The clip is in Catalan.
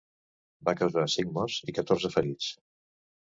Va causar cinc morts i catorze ferits.